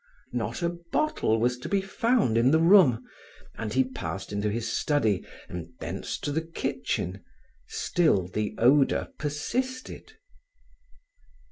not a bottle was to be found in the room, and he passed into his study and thence to the kitchen. Still the odor persisted.